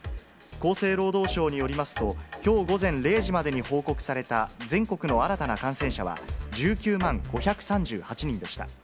厚生労働省によりますと、きょう午前０時までに報告された全国の新たな感染者は１９万５３８人でした。